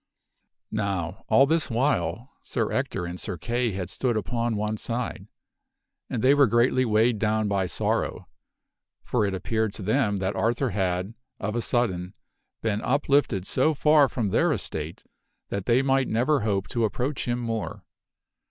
Now all this while Sir Ector and Sir Kay had stood upon one side. And they were greatly weighed down by sorrow ; for it appeared to them that Arthur had, of a sudden, been uplifted so far from their estate that they might never hope to approach him more.